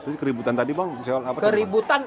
itu keributan tadi bang